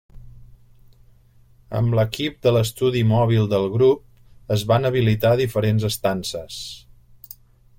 Amb l'equip de l'estudi mòbil del grup, es van habilitar diferents estances.